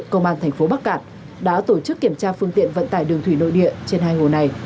công an thành phố bắc cạn đã tổ chức kiểm tra phương tiện vận tải đường thủy nội địa trên hai hồ này